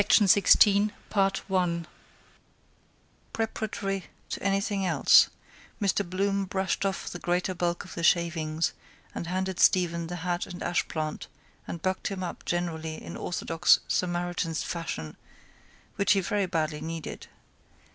_— III —[ 16 ] Preparatory to anything else Mr Bloom brushed off the greater bulk of the shavings and handed Stephen the hat and ashplant and bucked him up generally in orthodox Samaritan fashion which he very badly needed.